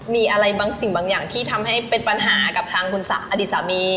มีอะไรบางสิ่งบางอย่างที่ทำให้เป็นปัญหากับทางคุณอดีตสามี